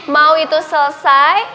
mau itu selesai